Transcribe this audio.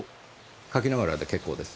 書きながらで結構です。